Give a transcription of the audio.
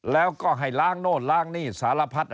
แล้วก็ให้ล้างโน่นล้างนี่สารพัด